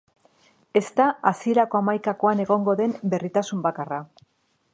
Ez da hasierako hamaikakoan egongo den berritasun bakarra.